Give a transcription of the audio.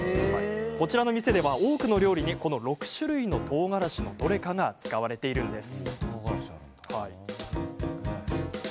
こちらの店では、多くの料理にこの６種類のとうがらしのどれかが使われているんです。